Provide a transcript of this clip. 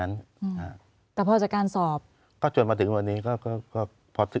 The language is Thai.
อ่าแต่พอจากการสอบก็จนมาถึงวันนี้ก็ก็ก็พอถึง